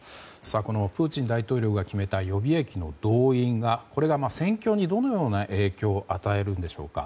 このプーチン大統領が決めた予備役の動員が戦況にどのような影響を与えるんでしょうか。